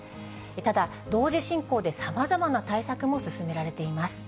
ただ、同時進行でさまざまな対策も進められています。